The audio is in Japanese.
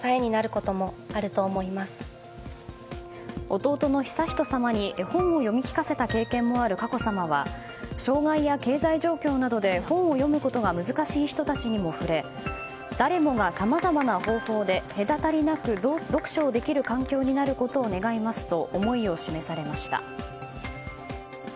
弟の悠仁さまに絵本を読み聞かせた経験もある佳子さまは障害や経済状況などで本を読むことが難しい人たちにも触れ誰もが、さまざまな方法で隔たりなく読書をできる環境になることを願いますと思いを示されました。